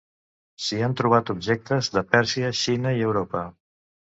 S'hi han trobat objectes de Pèrsia, Xina i Europa.